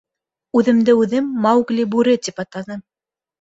— Үҙемде үҙем Маугли-Бүре тип атаным.